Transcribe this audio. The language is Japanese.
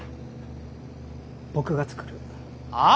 僕が作る。ああ！？